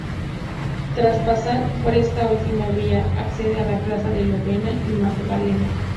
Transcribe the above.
Tras pasar por esta última vía, accede a la Plaza de Lovaina y Magdalena.